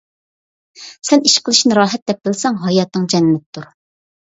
سەن ئىش قىلىشنى راھەت دەپ بىلسەڭ، ھاياتىڭ جەننەتتۇر.